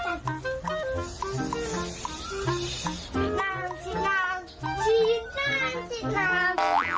เป็นวันใดด้วย